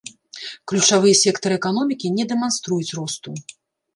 Ключавыя сектары эканомікі не дэманструюць росту.